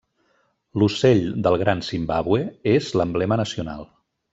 L'Ocell del Gran Zimbàbue és l'emblema nacional.